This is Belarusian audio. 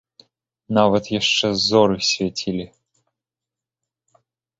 Нават яшчэ зоры свяцілі.